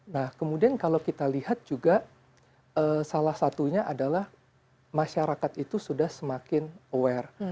nah kemudian kalau kita lihat juga salah satunya adalah masyarakat itu sudah semakin aware